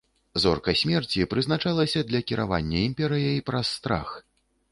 Зорка смерці прызначалася для кіравання імперыяй праз страх.